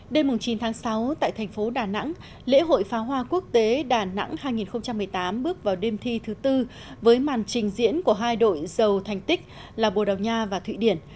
đêm chín tháng sáu tại thành phố đà nẵng lễ hội pháo hoa quốc tế đà nẵng hai nghìn một mươi tám bước vào đêm thi thứ tư với màn trình diễn của hai đội giàu thành tích là bồ đào nha và thụy điển